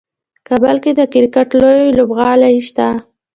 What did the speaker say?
کابل کې د کرکټ لوی لوبغالی شته.